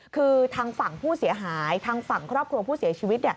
คือทางฝั่งผู้เสียหายทางฝั่งครอบครัวผู้เสียชีวิต